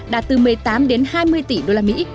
đạt từ một mươi tám hai mươi tỷ usd